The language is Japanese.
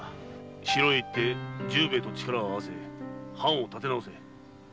城へ行って重兵衛と力を合わせて藩を立て直せ。